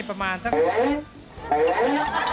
มาเยือนทินกระวีและสวัสดี